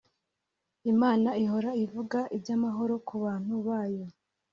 Imana ihora ivuga iby’amahoro ku bantu bayo